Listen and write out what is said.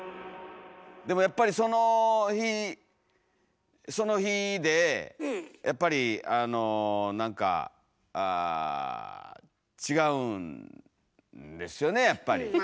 でもやっぱりその日その日でやっぱりあの何かあ違うんですよねやっぱり。